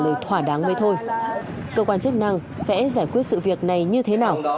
ông phải hiểu rằng là bây giờ là như thế nào